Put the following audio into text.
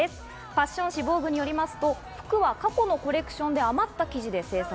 ファッション誌『ＶＯＧＵＥ』によりますと、服は過去のコレクションで余った生地で製作。